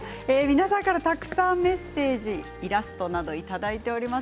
皆さんからたくさんメッセージイラストなどをいただいています。